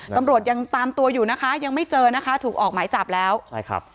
ตำรวจยังตามตัวอยู่นะคะยังไม่เจอนะคะถูกออกหมายจับแล้วใช่ครับ